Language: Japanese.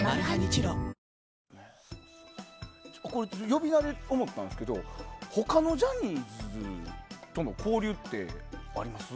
呼び名で思ったんですけど他のジャニーズとの交流ってあります？